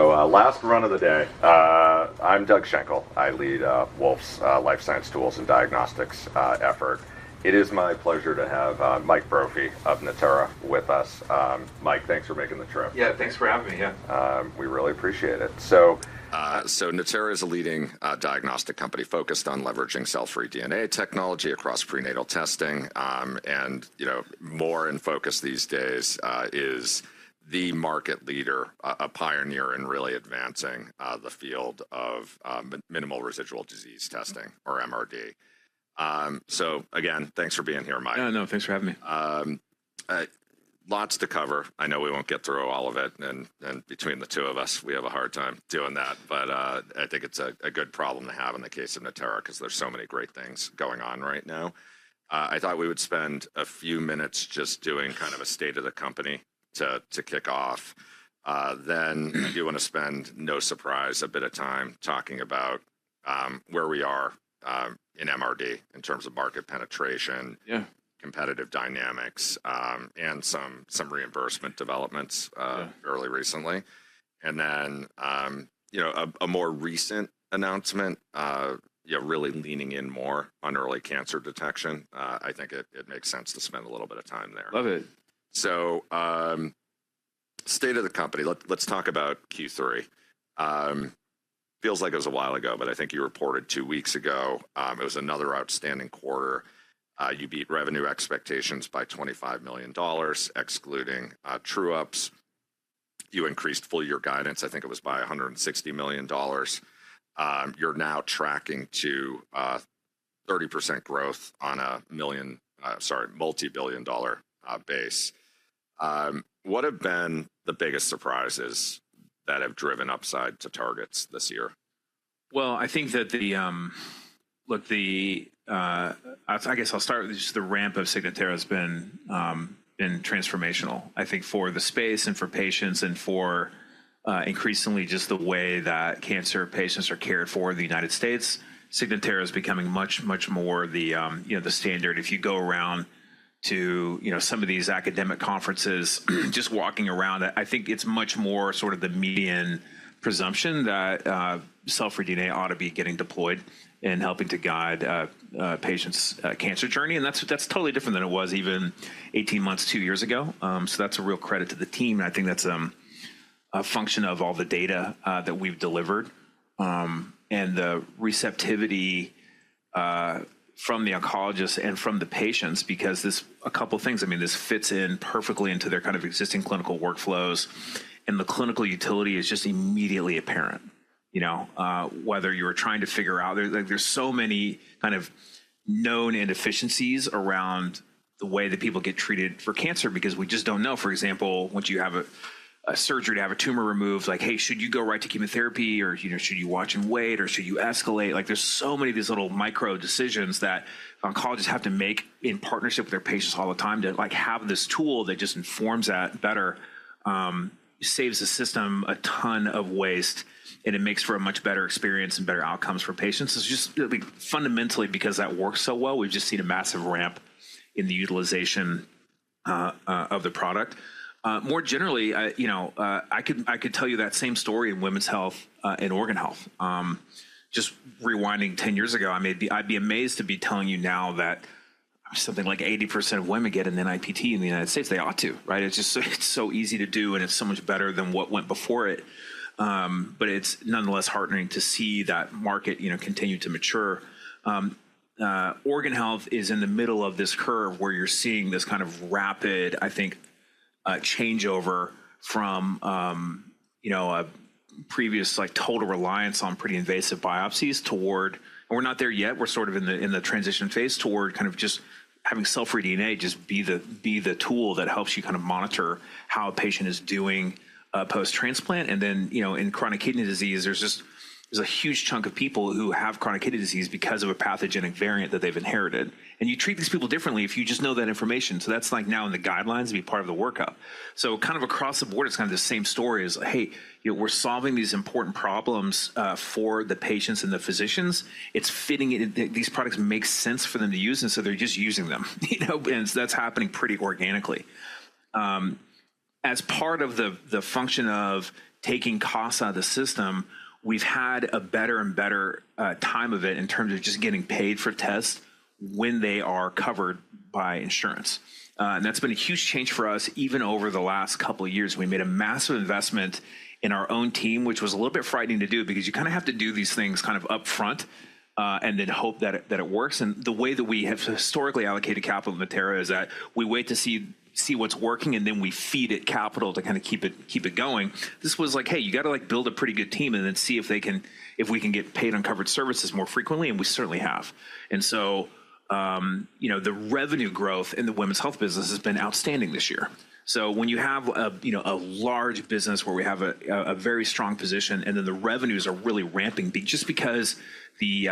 Last run of the day. I'm Doug Shankle. I lead Wolf's life science tools and diagnostics effort. It is my pleasure to have Mike Brophy of Natera with us. Mike, thanks for making the trip. Yeah, thanks for having me. Yeah. We really appreciate it. Natera is a leading diagnostic company focused on leveraging cell-free DNA technology across prenatal testing. More in focus these days is the market leader, a pioneer in really advancing the field of minimal residual disease testing, or MRD. Again, thanks for being here, Mike. No, thanks for having me. Lots to cover. I know we won't get through all of it. Between the two of us, we have a hard time doing that. I think it's a good problem to have in the case of Natera, because there's so many great things going on right now. I thought we would spend a few minutes just doing kind of a state of the company to kick off. I do want to spend, no surprise, a bit of time talking about where we are in MRD in terms of market penetration, competitive dynamics, and some reimbursement developments fairly recently. A more recent announcement, really leaning in more on early cancer detection. I think it makes sense to spend a little bit of time there. Love it. State of the company, let's talk about Q3. Feels like it was a while ago, but I think you reported two weeks ago. It was another outstanding quarter. You beat revenue expectations by $25 million, excluding true-ups. You increased full year guidance. I think it was by $160 million. You're now tracking to 30% growth on a million, sorry, multibillion dollar base. What have been the biggest surprises that have driven upside to targets this year? I think that the, look, I guess I'll start with just the ramp of Signatera has been transformational, I think, for the space and for patients and for increasingly just the way that cancer patients are cared for in the United States. Signatera is becoming much, much more the standard. If you go around to some of these academic conferences, just walking around, I think it's much more sort of the median presumption that cell-free DNA ought to be getting deployed and helping to guide patients' cancer journey. That's totally different than it was even 18 months, two years ago. That's a real credit to the team. I think that's a function of all the data that we've delivered and the receptivity from the oncologists and from the patients, because this a couple of things, I mean, this fits in perfectly into their kind of existing clinical workflows. The clinical utility is just immediately apparent, whether you're trying to figure out there's so many kind of known inefficiencies around the way that people get treated for cancer, because we just don't know. For example, once you have a surgery to have a tumor removed, like, hey, should you go right to chemotherapy? Or should you watch and wait? Or should you escalate? are so many of these little micro decisions that oncologists have to make in partnership with their patients all the time to have this tool that just informs that better, saves the system a ton of waste, and it makes for a much better experience and better outcomes for patients. It is just fundamentally because that works so well. We have just seen a massive ramp in the utilization of the product. More generally, I could tell you that same story in women's health and organ health. Just rewinding 10 years ago, I would be amazed to be telling you now that something like 80% of women get an NIPT in the United States. They ought to, right? It is just so easy to do, and it is so much better than what went before it. It is nonetheless heartening to see that market continue to mature. Organ health is in the middle of this curve where you're seeing this kind of rapid, I think, changeover from a previous total reliance on pretty invasive biopsies toward we're not there yet. We're sort of in the transition phase toward kind of just having cell-free DNA just be the tool that helps you kind of monitor how a patient is doing post-transplant. In chronic kidney disease, there's a huge chunk of people who have chronic kidney disease because of a pathogenic variant that they've inherited. You treat these people differently if you just know that information. That's like now in the guidelines to be part of the workup. Kind of across the board, it's kind of the same story as, hey, we're solving these important problems for the patients and the physicians. It's fitting it. These products make sense for them to use, and so they're just using them. That's happening pretty organically. As part of the function of taking costs out of the system, we've had a better and better time of it in terms of just getting paid for tests when they are covered by insurance. That's been a huge change for us even over the last couple of years. We made a massive investment in our own team, which was a little bit frightening to do because you kind of have to do these things kind of upfront and then hope that it works. The way that we have historically allocated capital to Natera is that we wait to see what's working, and then we feed it capital to kind of keep it going. This was like, hey, you got to build a pretty good team and then see if we can get paid uncovered services more frequently, and we certainly have. The revenue growth in the women's health business has been outstanding this year. When you have a large business where we have a very strong position and then the revenues are really ramping just because the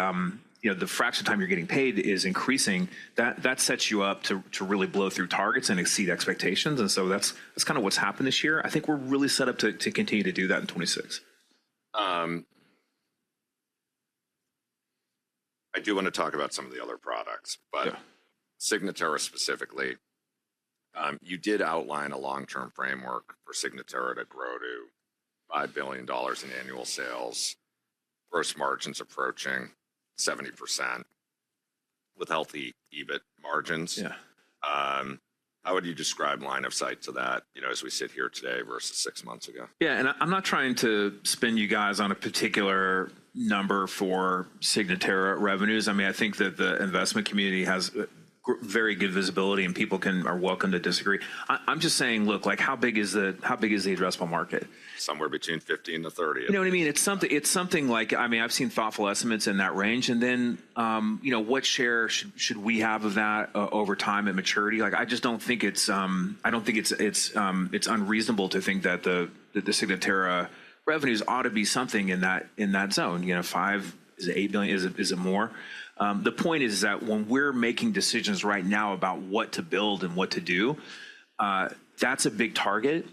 fraction of time you're getting paid is increasing, that sets you up to really blow through targets and exceed expectations. That's kind of what's happened this year. I think we're really set up to continue to do that in 2026. I do want to talk about some of the other products, but Signatera specifically. You did outline a long-term framework for Signatera to grow to $5 billion in annual sales, gross margins approaching 70% with healthy EBIT margins. How would you describe line of sight to that as we sit here today versus six months ago? Yeah, and I'm not trying to spin you guys on a particular number for Signatera revenues. I mean, I think that the investment community has very good visibility, and people are welcome to disagree. I'm just saying, look, how big is the addressable market? Somewhere between 50 and 30. You know what I mean? It's something like, I mean, I've seen thoughtful estimates in that range. And then what share should we have of that over time and maturity? I just don't think it's, I don't think it's unreasonable to think that the Signatera revenues ought to be something in that zone. Five is $8 billion? Is it more? The point is that when we're making decisions right now about what to build and what to do, that's a big target,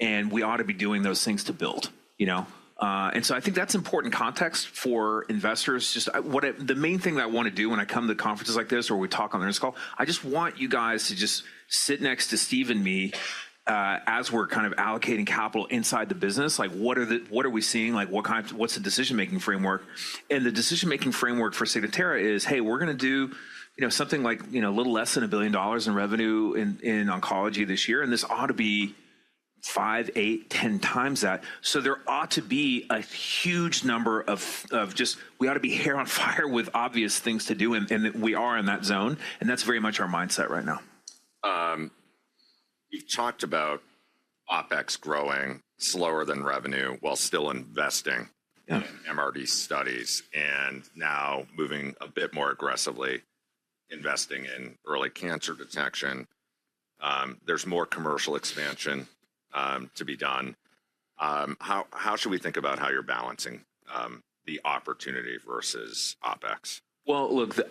and we ought to be doing those things to build. I think that's important context for investors. The main thing that I want to do when I come to conferences like this or we talk on the call, I just want you guys to just sit next to Steve and me as we're kind of allocating capital inside the business. What are we seeing? What's the decision-making framework? The decision-making framework for Signatera is, hey, we're going to do something like a little less than $1 billion in revenue in oncology this year. This ought to be 5, 8, 10 times that. There ought to be a huge number of just we ought to be hair on fire with obvious things to do, and we are in that zone. That's very much our mindset right now. You've talked about OpEx growing slower than revenue while still investing in MRD studies and now moving a bit more aggressively investing in early cancer detection. There's more commercial expansion to be done. How should we think about how you're balancing the opportunity versus OpEx?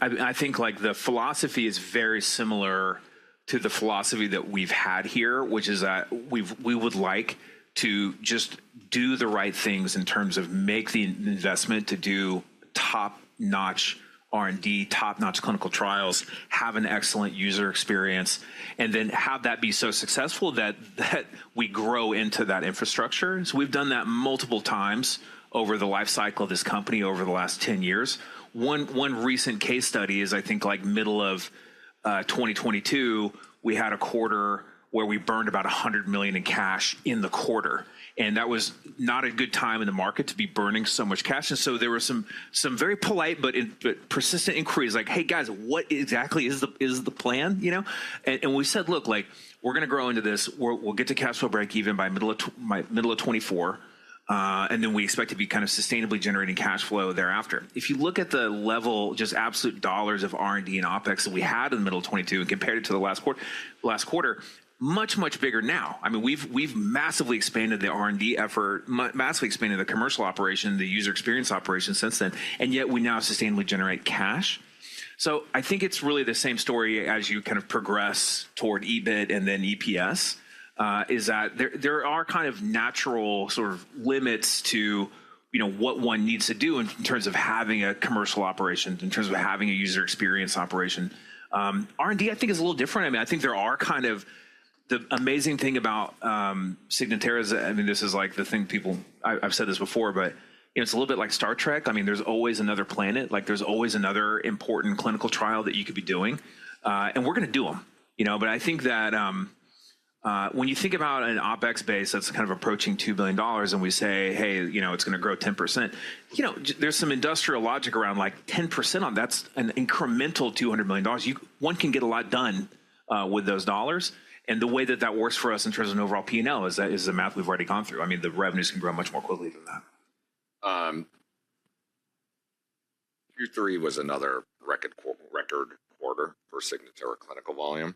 I think the philosophy is very similar to the philosophy that we've had here, which is that we would like to just do the right things in terms of make the investment to do top-notch R&D, top-notch clinical trials, have an excellent user experience, and then have that be so successful that we grow into that infrastructure. We have done that multiple times over the life cycle of this company over the last 10 years. One recent case study is, I think, like middle of 2022, we had a quarter where we burned about $100 million in cash in the quarter. That was not a good time in the market to be burning so much cash. There were some very polite but persistent inquiries, like, hey, guys, what exactly is the plan? We said, look, we're going to grow into this. We'll get to cash flow break even by middle of 2024. We expect to be kind of sustainably generating cash flow thereafter. If you look at the level, just absolute dollars of R&D and OpEx that we had in the middle of 2022 and compared it to the last quarter, much, much bigger now. I mean, we've massively expanded the R&D effort, massively expanded the commercial operation, the user experience operation since then, and yet we now sustainably generate cash. I think it's really the same story as you kind of progress toward EBIT and then EPS, is that there are kind of natural sort of limits to what one needs to do in terms of having a commercial operation, in terms of having a user experience operation. R&D, I think, is a little different. I mean, I think there are kind of the amazing thing about Signatera is, I mean, this is like the thing people, I've said this before, but it's a little bit like Star Trek. I mean, there's always another planet. There's always another important clinical trial that you could be doing. We're going to do them. I think that when you think about an OpEx base that's kind of approaching $2 billion and we say, hey, it's going to grow 10%, there's some industrial logic around like 10% on that's an incremental $200 million. One can get a lot done with those dollars. The way that that works for us in terms of overall P&L is a math we've already gone through. I mean, the revenues can grow much more quickly than that. Q3 was another record quarter for Signatera clinical volume.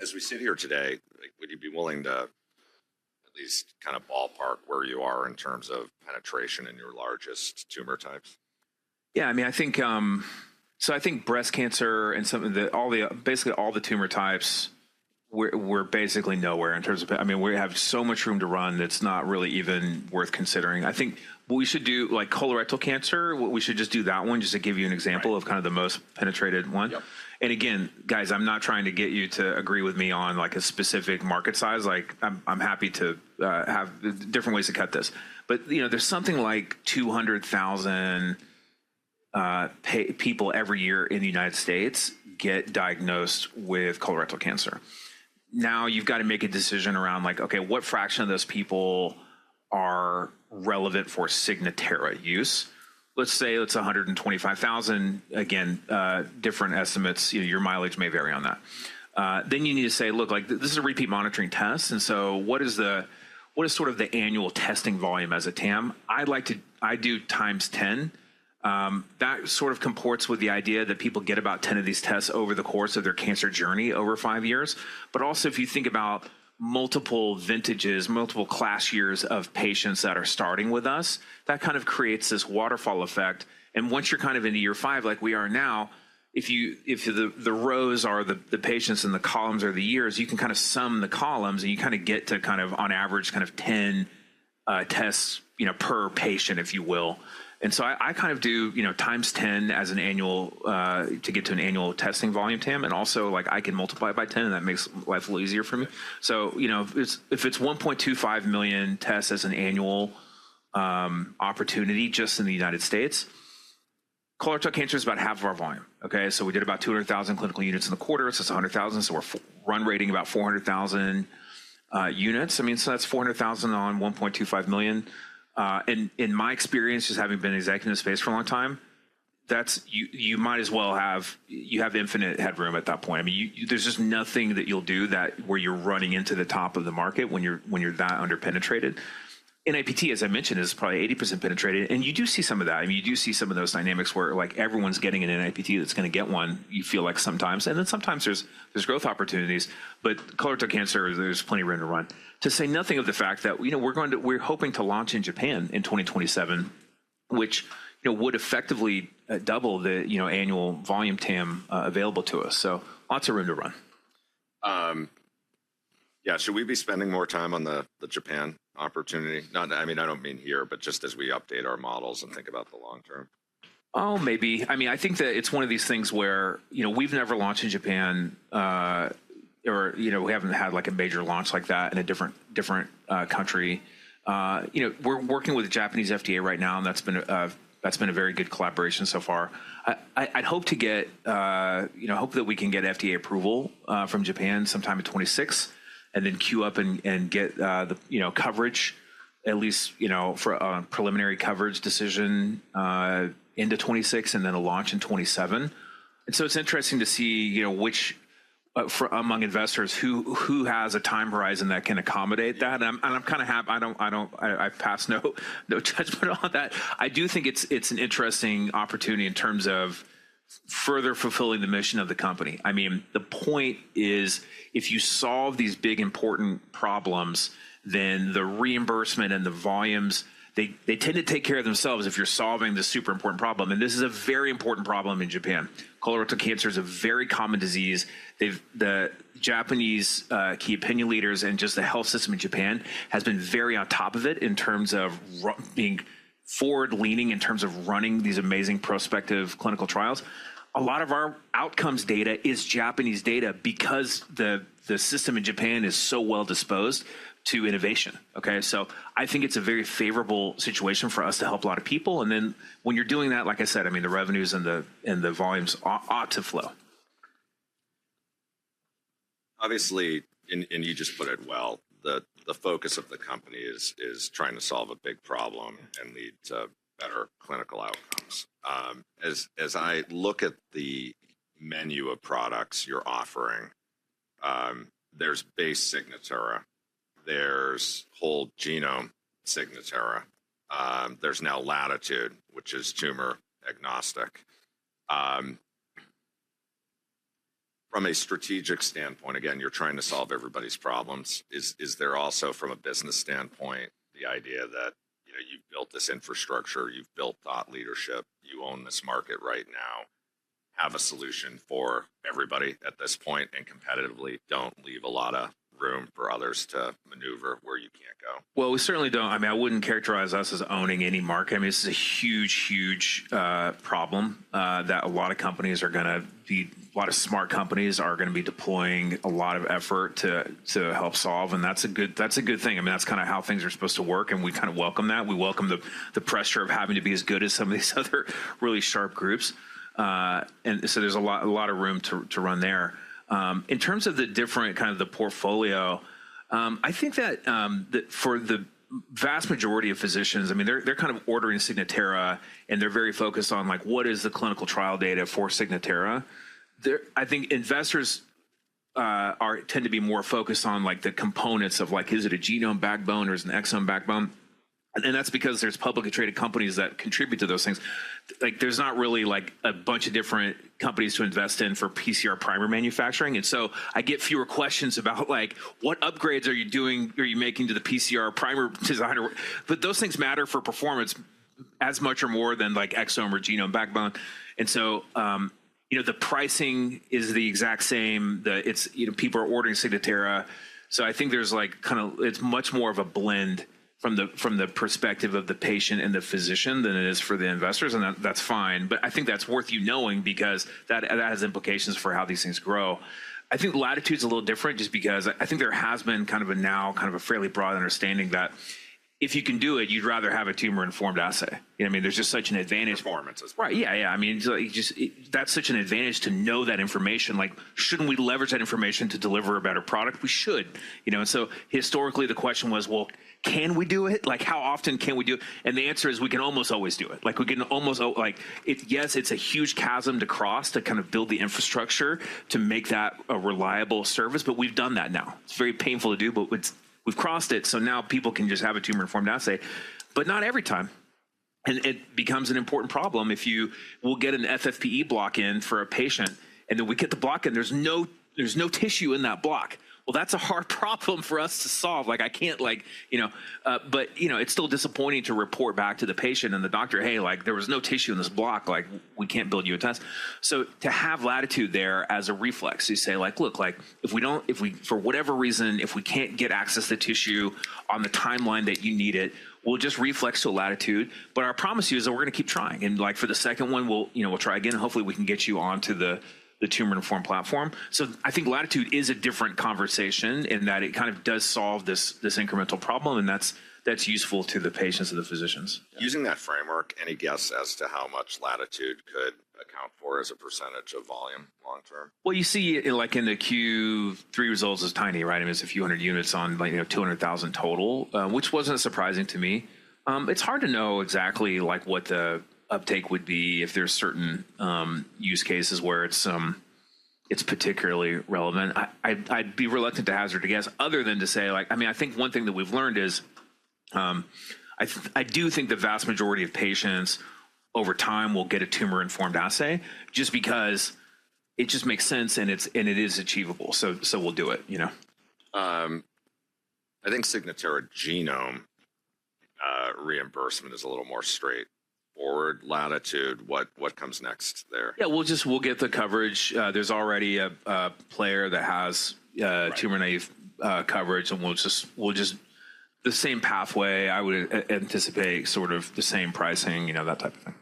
As we sit here today, would you be willing to at least kind of ballpark where you are in terms of penetration in your largest tumor types? Yeah, I mean, I think so I think breast cancer and basically all the tumor types, we're basically nowhere in terms of, I mean, we have so much room to run that it's not really even worth considering. I think what we should do, like colorectal cancer, we should just do that one just to give you an example of kind of the most penetrated one. Again, guys, I'm not trying to get you to agree with me on a specific market size. I'm happy to have different ways to cut this. There's something like 200,000 people every year in the United States get diagnosed with colorectal cancer. Now, you've got to make a decision around, like, okay, what fraction of those people are relevant for Signatera use? Let's say it's 125,000. Again, different estimates. Your mileage may vary on that. You need to say, look, this is a repeat monitoring test. What is sort of the annual testing volume as a TAM? I do times 10. That sort of comports with the idea that people get about 10 of these tests over the course of their cancer journey over five years. Also, if you think about multiple vintages, multiple class years of patients that are starting with us, that kind of creates this waterfall effect. Once you're kind of into year five, like we are now, if the rows are the patients and the columns are the years, you can kind of sum the columns and you kind of get to, on average, kind of 10 tests per patient, if you will. I kind of do times 10 as an annual to get to an annual testing volume TAM. I can multiply it by 10, and that makes life a little easier for me. If it is 1.25 million tests as an annual opportunity just in the United States, colorectal cancer is about half of our volume. Okay? We did about 200,000 clinical units in the quarter. It is 100,000. We are run rating about 400,000 units. That is 400,000 on 1.25 million. In my experience, just having been in executive space for a long time, you might as well have infinite headroom at that point. There is just nothing that you will do where you are running into the top of the market when you are that underpenetrated. NIPT, as I mentioned, is probably 80% penetrated. You do see some of that. I mean, you do see some of those dynamics where everyone's getting an NIPT that's going to get one, you feel like sometimes. And then sometimes there's growth opportunities. But colorectal cancer, there's plenty of room to run. To say nothing of the fact that we're hoping to launch in Japan in 2027, which would effectively double the annual volume TAM available to us. So lots of room to run. Yeah. Should we be spending more time on the Japan opportunity? I mean, I don't mean here, but just as we update our models and think about the long term. Oh, maybe. I mean, I think that it's one of these things where we've never launched in Japan or we haven't had a major launch like that in a different country. We're working with the Japanese FDA right now, and that's been a very good collaboration so far. I'd hope to get hope that we can get FDA approval from Japan sometime in 2026 and then queue up and get the coverage, at least for a preliminary coverage decision into 2026 and then a launch in 2027. It is interesting to see among investors who has a time horizon that can accommodate that. I'm kind of happy I pass no judgment on that. I do think it's an interesting opportunity in terms of further fulfilling the mission of the company. I mean, the point is, if you solve these big important problems, then the reimbursement and the volumes, they tend to take care of themselves if you're solving the super important problem. This is a very important problem in Japan. Colorectal cancer is a very common disease. The Japanese key opinion leaders and just the health system in Japan have been very on top of it in terms of being forward-leaning in terms of running these amazing prospective clinical trials. A lot of our outcomes data is Japanese data because the system in Japan is so well disposed to innovation. Okay? I think it's a very favorable situation for us to help a lot of people. When you're doing that, like I said, I mean, the revenues and the volumes ought to flow. Obviously, and you just put it well, the focus of the company is trying to solve a big problem and lead to better clinical outcomes. As I look at the menu of products you're offering, there's base Signatera. There's whole genome Signatera. There's now Latitude, which is tumor agnostic. From a strategic standpoint, again, you're trying to solve everybody's problems. Is there also, from a business standpoint, the idea that you've built this infrastructure, you've built thought leadership, you own this market right now, have a solution for everybody at this point and competitively don't leave a lot of room for others to maneuver where you can't go? I certainly don't. I mean, I wouldn't characterize us as owning any market. I mean, this is a huge, huge problem that a lot of companies are going to be, a lot of smart companies are going to be deploying a lot of effort to help solve. And that's a good thing. I mean, that's kind of how things are supposed to work. We kind of welcome that. We welcome the pressure of having to be as good as some of these other really sharp groups. There is a lot of room to run there. In terms of the different kind of the portfolio, I think that for the vast majority of physicians, I mean, they're kind of ordering Signatera, and they're very focused on what is the clinical trial data for Signatera. I think investors tend to be more focused on the components of is it a genome backbone or is it an exome backbone? That is because there are publicly traded companies that contribute to those things. There are not really a bunch of different companies to invest in for PCR primer manufacturing. I get fewer questions about what upgrades are you doing, are you making to the PCR primer designer. Those things matter for performance as much or more than exome or genome backbone. The pricing is the exact same. People are ordering Signatera. I think there is kind of, it is much more of a blend from the perspective of the patient and the physician than it is for the investors. That is fine. I think that is worth you knowing because that has implications for how these things grow. I think Latitude is a little different just because I think there has been kind of a now kind of a fairly broad understanding that if you can do it, you'd rather have a tumor-informed assay. I mean, there's just such an advantage. Performance is great. Right. Yeah, yeah. I mean, that's such an advantage to know that information. Shouldn't we leverage that information to deliver a better product? We should. Historically, the question was, well, can we do it? How often can we do it? The answer is we can almost always do it. We can almost, yes, it's a huge chasm to cross to kind of build the infrastructure to make that a reliable service. We've done that now. It's very painful to do, but we've crossed it. Now people can just have a tumor-informed assay, but not every time. It becomes an important problem if you get an FFPE block in for a patient, and then we get the block in, there's no tissue in that block. That's a hard problem for us to solve. I can't but it's still disappointing to report back to the patient and the doctor, "Hey, there was no tissue in this block. We can't build you a test." To have Latitude there as a reflex, you say, "Look, if we don't, for whatever reason, if we can't get access to tissue on the timeline that you need it, we'll just reflex to Latitude. What I promise you is that we're going to keep trying. For the second one, we'll try again. Hopefully, we can get you onto the tumor-informed platform." I think Latitude is a different conversation in that it kind of does solve this incremental problem. That is useful to the patients and the physicians. Using that framework, any guess as to how much Latitude could account for as a percentage of volume long term? You see in the Q3 results is tiny, right? I mean, it's a few hundred units on 200,000 total, which wasn't surprising to me. It's hard to know exactly what the uptake would be if there's certain use cases where it's particularly relevant. I'd be reluctant to hazard a guess other than to say, I mean, I think one thing that we've learned is I do think the vast majority of patients over time will get a tumor-informed assay just because it just makes sense and it is achievable. So we'll do it. I think Signatera genome reimbursement is a little more straightforward. Latitude, what comes next there? Yeah, we'll get the coverage. There's already a player that has tumor-naive coverage. We'll just use the same pathway. I would anticipate sort of the same pricing, that type of thing.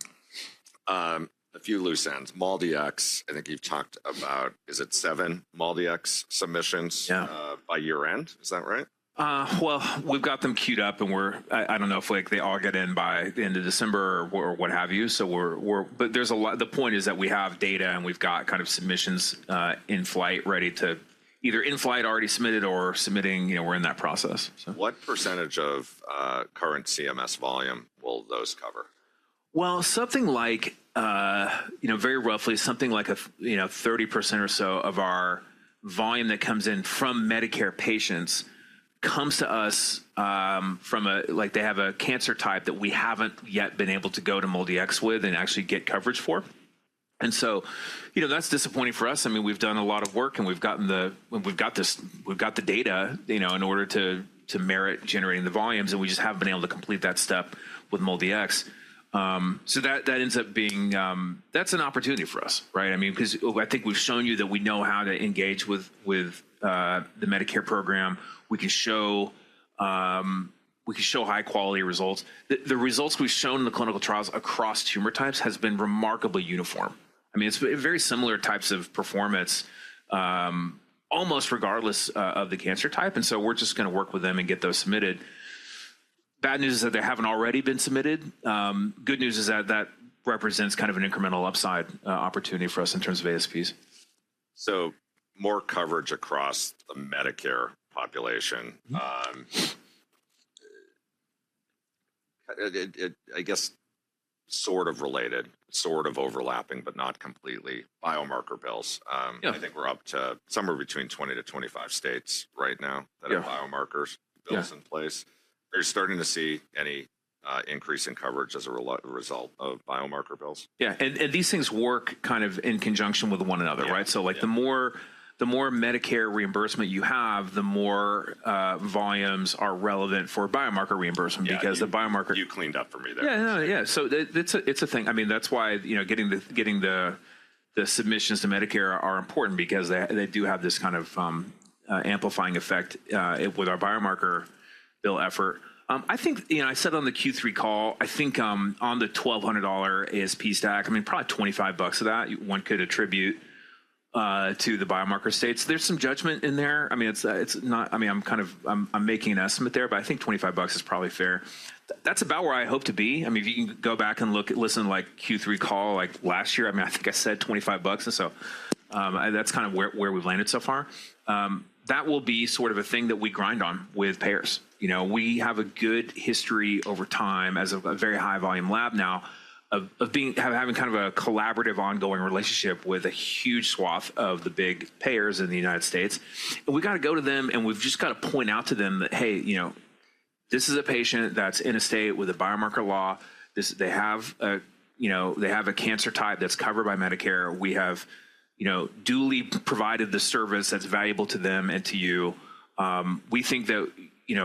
A few loose ends. MolDX, I think you've talked about, is it seven MolDX submissions by year-end? Is that right? We've got them queued up, and I don't know if they all get in by the end of December or what have you. The point is that we have data and we've got kind of submissions in flight ready to either in flight already submitted or submitting. We're in that process. What percentage of current CMS volume will those cover? Something like very roughly, something like 30% or so of our volume that comes in from Medicare patients comes to us from a they have a cancer type that we have not yet been able to go to MolDX with and actually get coverage for. That is disappointing for us. I mean, we have done a lot of work and we have gotten the we have got the data in order to merit generating the volumes, and we just have not been able to complete that step with MolDX. That ends up being an opportunity for us, right? I mean, because I think we have shown you that we know how to engage with the Medicare program. We can show high-quality results. The results we have shown in the clinical trials across tumor types have been remarkably uniform. I mean, it is very similar types of performance almost regardless of the cancer type. We're just going to work with them and get those submitted. Bad news is that they haven't already been submitted. Good news is that that represents kind of an incremental upside opportunity for us in terms of ASPs. More coverage across the Medicare population. I guess sort of related, sort of overlapping, but not completely. Biomarker bills. I think we're up to somewhere between 20 states-25 states right now that have biomarker bills in place. Are you starting to see any increase in coverage as a result of biomarker bills? Yeah. These things work kind of in conjunction with one another, right? The more Medicare reimbursement you have, the more volumes are relevant for biomarker reimbursement because the biomarker. You cleaned up for me there. Yeah, yeah. It's a thing. I mean, that's why getting the submissions to Medicare are important because they do have this kind of amplifying effect with our biomarker bill effort. I think I said on the Q3 call, I think on the $1,200 ASP stack, probably $25 of that one could attribute to the biomarker states. There's some judgment in there. I'm kind of making an estimate there, but I think $25 is probably fair. That's about where I hope to be. If you can go back and listen to Q3 call last year, I think I said $25. That's kind of where we've landed so far. That will be sort of a thing that we grind on with payers. We have a good history over time as a very high-volume lab now of having kind of a collaborative ongoing relationship with a huge swath of the big payers in the United States. We have got to go to them, and we have just got to point out to them that, "Hey, this is a patient that is in a state with a biomarker law. They have a cancer type that is covered by Medicare. We have duly provided the service that is valuable to them and to you. We think that you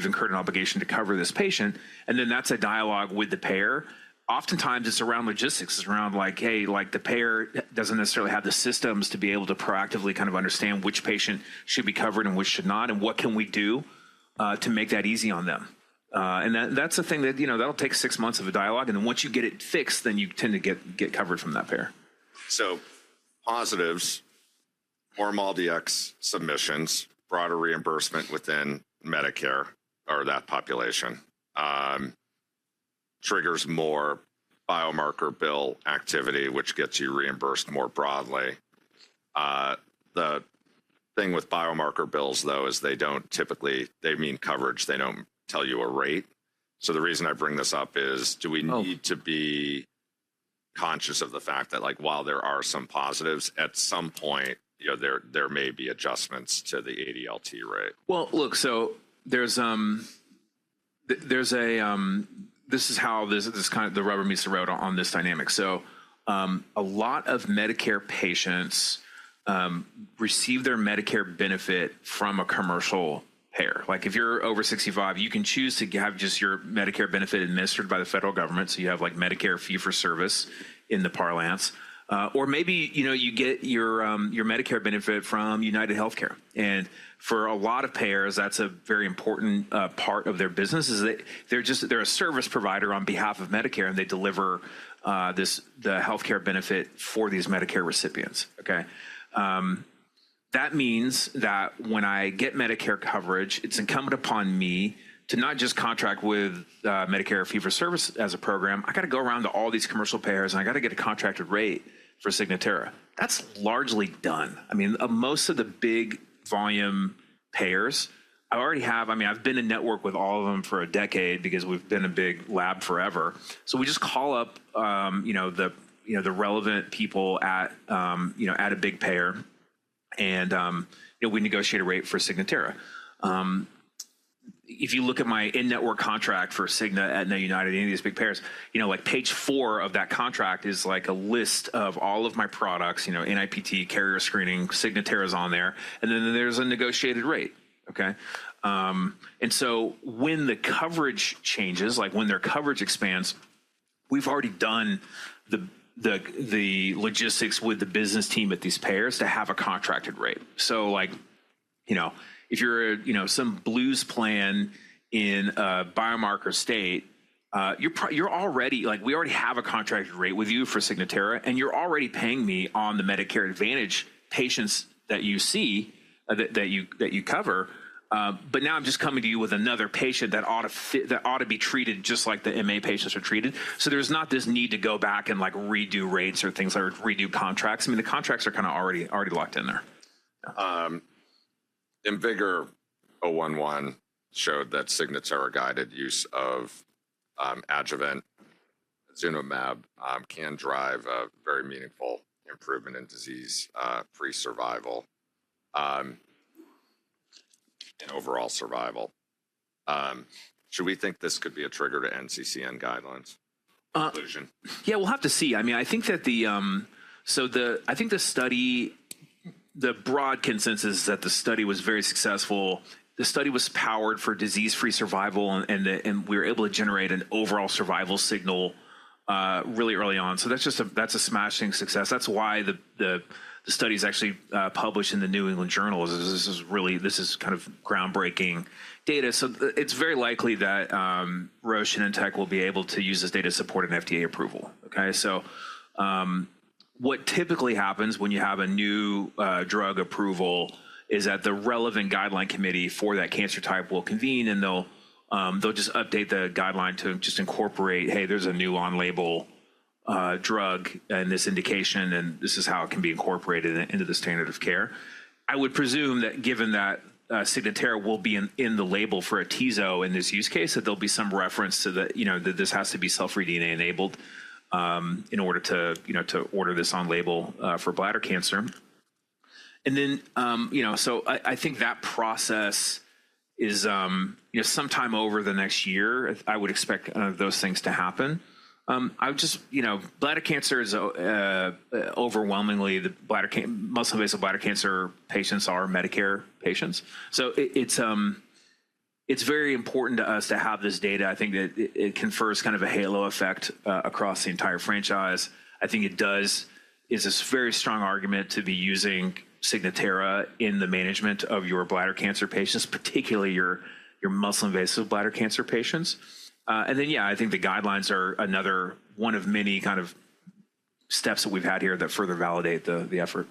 have incurred an obligation to cover this patient." That is a dialogue with the payer. Oftentimes, it is around logistics. It's around like, "Hey, the payer doesn't necessarily have the systems to be able to proactively kind of understand which patient should be covered and which should not, and what can we do to make that easy on them?" That is a thing that'll take six months of a dialogue. Once you get it fixed, you tend to get coverage from that payer. Positives, more MolDX submissions, broader reimbursement within Medicare or that population triggers more biomarker bill activity, which gets you reimbursed more broadly. The thing with biomarker bills, though, is they do not typically, they mean coverage. They do not tell you a rate. The reason I bring this up is, do we need to be conscious of the fact that while there are some positives, at some point, there may be adjustments to the ADLT rate? There is a this is how the rubber meets the road on this dynamic. A lot of Medicare patients receive their Medicare benefit from a commercial payer. If you are over 65, you can choose to have just your Medicare benefit administered by the federal government. You have Medicare fee-for-service in the parlance. Maybe you get your Medicare benefit from UnitedHealthcare. For a lot of payers, that is a very important part of their business as they are a service provider on behalf of Medicare, and they deliver the healthcare benefit for these Medicare recipients. That means that when I get Medicare coverage, it is incumbent upon me to not just contract with Medicare fee-for-service as a program. I have to go around to all these commercial payers, and I have to get a contracted rate for Signatera. That is largely done. I mean, most of the big volume payers, I already have, I mean, I've been in network with all of them for a decade because we've been a big lab forever. So we just call up the relevant people at a big payer, and we negotiate a rate for Signatera. If you look at my in-network contract for Cigna, Aetna, United, any of these big payers, page four of that contract is a list of all of my products, NIPT, carrier screening, Signatera's on there. And then there's a negotiated rate. Okay? And so when the coverage changes, when their coverage expands, we've already done the logistics with the business team at these payers to have a contracted rate. If you're some Blues plan in a biomarker state, we already have a contracted rate with you for Signatera, and you're already paying me on the Medicare Advantage patients that you see that you cover. Now I'm just coming to you with another patient that ought to be treated just like the MA patients are treated. There's not this need to go back and redo rates or things or redo contracts. I mean, the contracts are kind of already locked in there. IMvigor011 showed that Signatera-guided use of [adjuvant Zumumab] can drive a very meaningful improvement in disease-free survival and overall survival. Should we think this could be a trigger to NCCN guidelines? Yeah, we'll have to see. I mean, I think that the, so I think the study, the broad consensus is that the study was very successful. The study was powered for disease-free survival, and we were able to generate an overall survival signal really early on. That's a smashing success. That's why the study is actually published in the New England Journal. This is kind of groundbreaking data. It's very likely that Roche and Natera will be able to use this data to support an FDA approval. Okay? What typically happens when you have a new drug approval is that the relevant guideline committee for that cancer type will convene, and they'll just update the guideline to just incorporate, "Hey, there's a new on-label drug and this indication, and this is how it can be incorporated into the standard of care." I would presume that given that Signatera will be in the label for a TzO in this use case, that there'll be some reference to that this has to be cell-free DNA enabled in order to order this on-label for bladder cancer. I think that process is sometime over the next year, I would expect those things to happen. Bladder cancer is overwhelmingly the muscle-based bladder cancer patients are Medicare patients. It is very important to us to have this data. I think that it confers kind of a halo effect across the entire franchise. I think it does is a very strong argument to be using Signatera in the management of your bladder cancer patients, particularly your muscle-invasive bladder cancer patients. Yeah, I think the guidelines are another one of many kind of steps that we've had here that further validate the effort.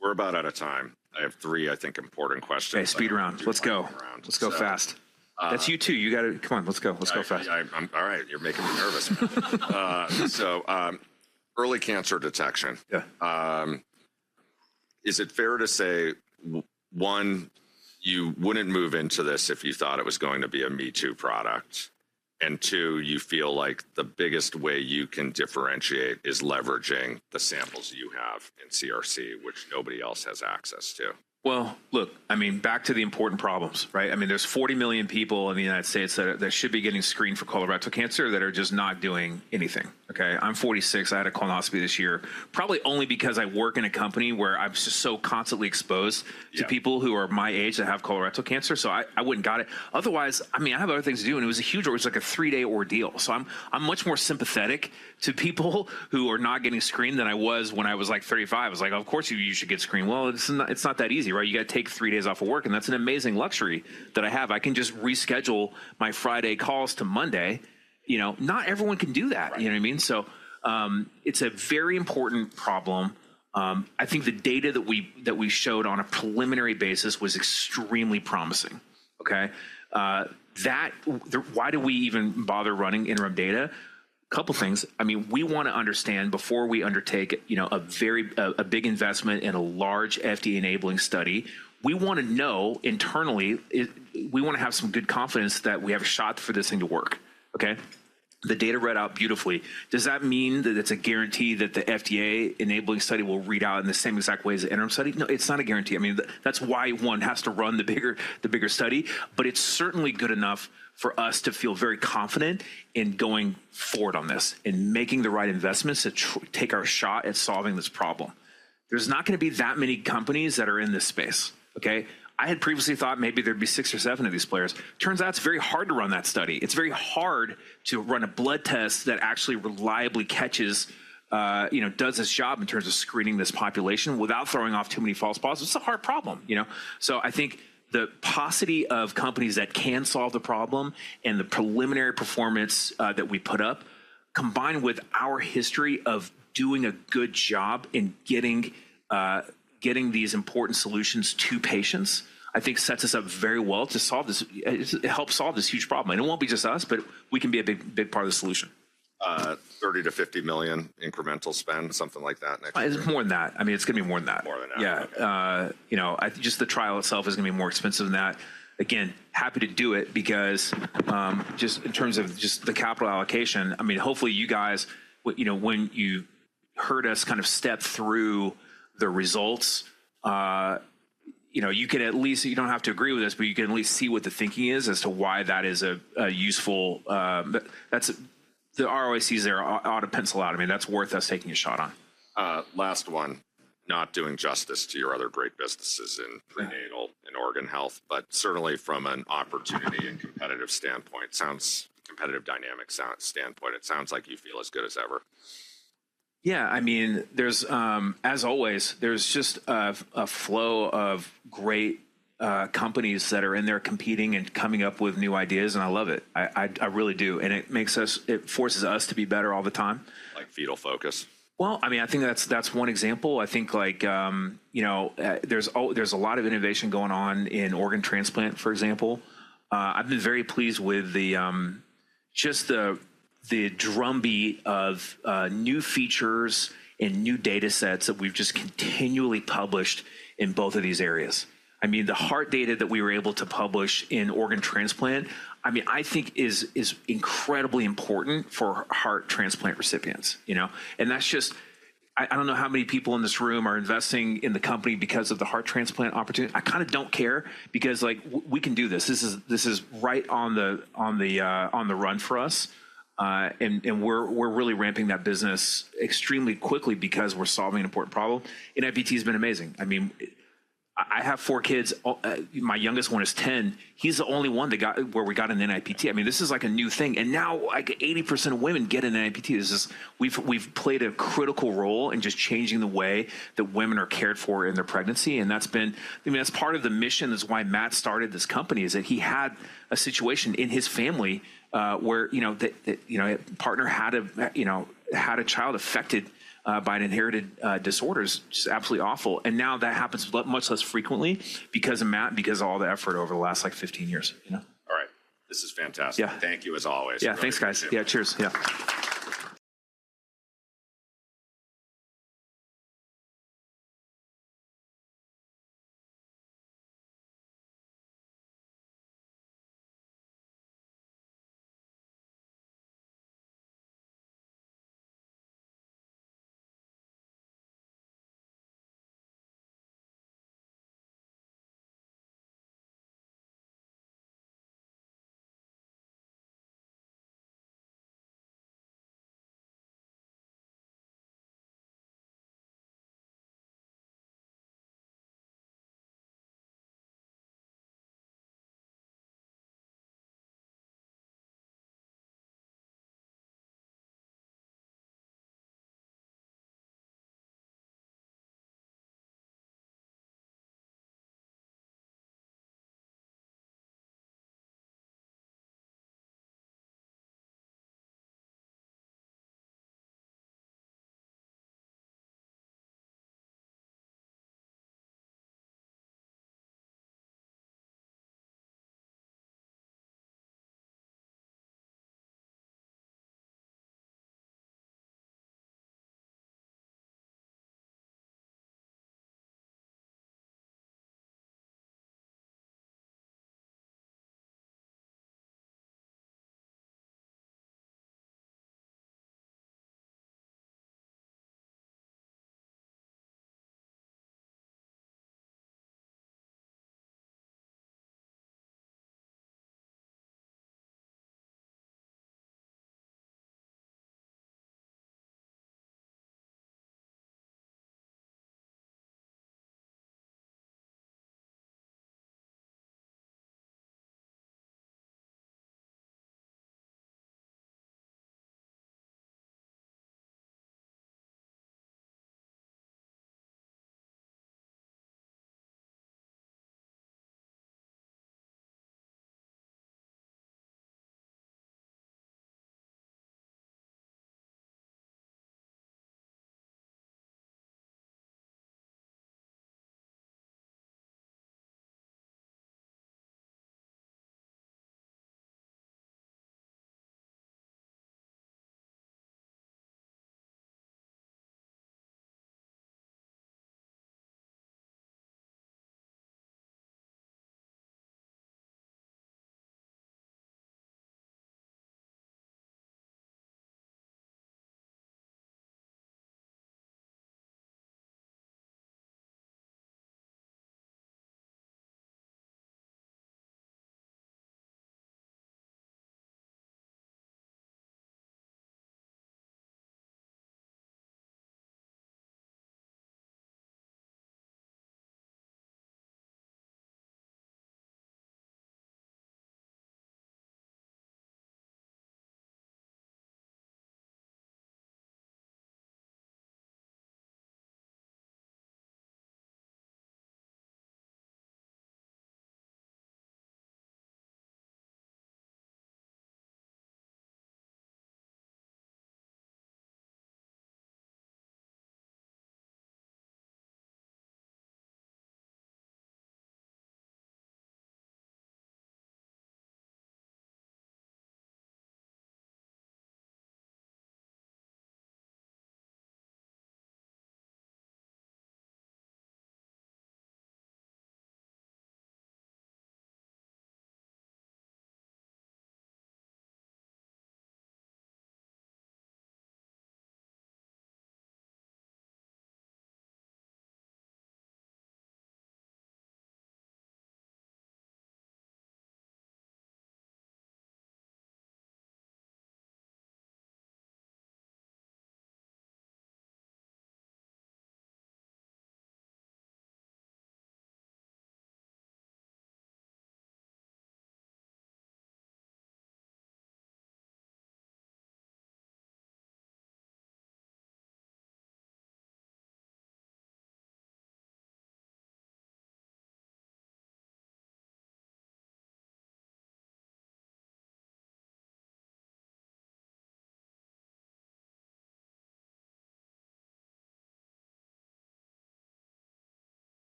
We're about out of time. I have three, I think, important questions. Okay, speed round. Let's go. Let's go fast. That's you too. You got to come on. Let's go. Let's go fast. All right. You're making me nervous. Early cancer detection. Is it fair to say, one, you wouldn't move into this if you thought it was going to be a me-too product, and two, you feel like the biggest way you can differentiate is leveraging the samples you have in CRC, which nobody else has access to? Look, I mean, back to the important problems, right? I mean, there are 40 million people in the United States that should be getting screened for colorectal cancer that are just not doing anything. Okay? I'm 46. I had a colonoscopy this year, probably only because I work in a company where I'm just so constantly exposed to people who are my age that have colorectal cancer. I went and got it. Otherwise, I mean, I have other things to do, and it was a huge—it was like a three-day ordeal. I am much more sympathetic to people who are not getting screened than I was when I was 35. I was like, "Of course, you should get screened." It is not that easy, right? You have to take three days off of work, and that is an amazing luxury that I have. I can just reschedule my Friday calls to Monday. Not everyone can do that. You know what I mean? It is a very important problem. I think the data that we showed on a preliminary basis was extremely promising. Okay? Why do we even bother running interim data? A couple of things. I mean, we want to understand before we undertake a big investment in a large FDA-enabling study, we want to know internally, we want to have some good confidence that we have a shot for this thing to work. Okay? The data read out beautifully. Does that mean that it is a guarantee that the FDA-enabling study will read out in the same exact way as the interim study? No, it is not a guarantee. I mean, that's why one has to run the bigger study, but it's certainly good enough for us to feel very confident in going forward on this and making the right investments to take our shot at solving this problem. There's not going to be that many companies that are in this space. Okay? I had previously thought maybe there'd be six or seven of these players. Turns out it's very hard to run that study. It's very hard to run a blood test that actually reliably catches, does its job in terms of screening this population without throwing off too many false positives. It's a hard problem. I think the paucity of companies that can solve the problem and the preliminary performance that we put up, combined with our history of doing a good job in getting these important solutions to patients, I think sets us up very well to help solve this huge problem. It won't be just us, but we can be a big part of the solution. $30 million-$50 million incremental spend, something like that next year? It's more than that. I mean, it's going to be more than that. More than that. Yeah. Just the trial itself is going to be more expensive than that. Again, happy to do it because just in terms of just the capital allocation, I mean, hopefully, you guys, when you heard us kind of step through the results, you can at least you do not have to agree with us, but you can at least see what the thinking is as to why that is a useful the ROICs there ought to pencil out. I mean, that's worth us taking a shot on. Last one. Not doing justice to your other great businesses in prenatal and organ health, but certainly from an opportunity and competitive standpoint, competitive dynamic standpoint, it sounds like you feel as good as ever. Yeah. I mean, as always, there is just a flow of great companies that are in there competing and coming up with new ideas, and I love it. I really do. It forces us to be better all the time. Like Fetal Focus? I mean, I think that's one example. I think there's a lot of innovation going on in organ transplant, for example. I've been very pleased with just the drumbeat of new features and new data sets that we've just continually published in both of these areas. I mean, the heart data that we were able to publish in organ transplant, I mean, I think is incredibly important for heart transplant recipients. That's just I don't know how many people in this room are investing in the company because of the heart transplant opportunity. I kind of don't care because we can do this. This is right on the run for us, and we're really ramping that business extremely quickly because we're solving an important problem. NIPT has been amazing. I mean, I have four kids. My youngest one is 10. He's the only one where we got an NIPT. I mean, this is like a new thing. Now like 80% of women get an NIPT. We've played a critical role in just changing the way that women are cared for in their pregnancy. That's been, I mean, that's part of the mission. That's why Matt started this company, is that he had a situation in his family where a partner had a child affected by an inherited disorder. It's just absolutely awful. Now that happens much less frequently because of Matt and because of all the effort over the last 15 years. All right. This is fantastic. Thank you as always. Yeah. Thanks, guys. Yeah. Cheers. Yeah.